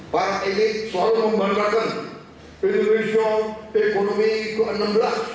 para elit selalu membanggakan indonesia ekonomi ke enam belas